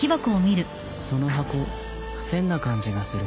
その箱変な感じがする。